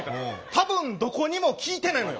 多分どこにも効いてないのよ。